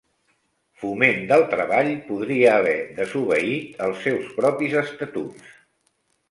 Foment del Treball podria haver desobeït els seus propis estatuts